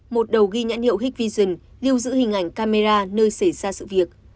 một đầu ghi nhãn hiệu hikvision lưu giữ hình ảnh camera nơi xảy ra sự việc